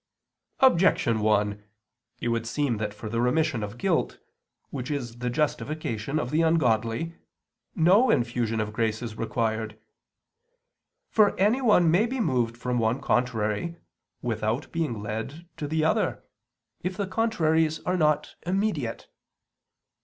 Objection 1: It would seem that for the remission of guilt, which is the justification of the ungodly, no infusion of grace is required. For anyone may be moved from one contrary without being led to the other, if the contraries are not immediate.